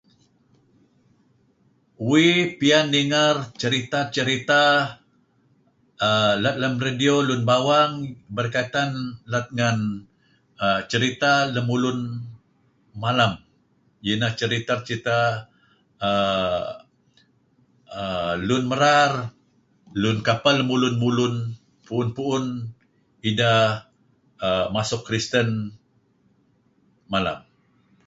Uih pian ninger cerita-cerita err... let lem radio lun Lun Bawang berkaitan let ngen err... cerita lun let ngen cerita lemulun malem. Ieh ineh cerita-cerita err...err... lun merar lun kapeh lemulun mulun pu'un-pu'un kapeh ideh masuk kristen malem.